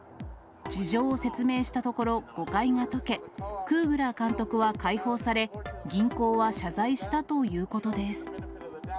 事情を説明したところ、誤解が解け、クーグラー監督は解放され、銀行は謝罪したということです。